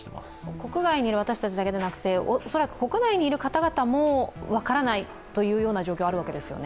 国外にいる私たちだけでなく、恐らく国内にいる方々も分からないという状況があるわけですよね。